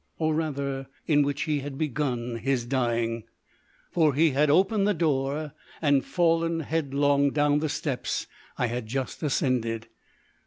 Or, rather, in which he had begun his dying, for he had opened the door and fallen headlong down the steps I had just ascended.